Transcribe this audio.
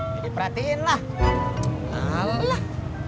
jadi perhatiin lah